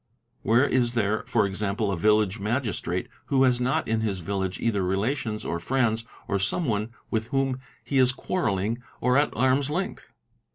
Where is there, for example, a Village Magistrate who — has not in his village either relations or friends or someone with whom he is quarrelling or at arm's length?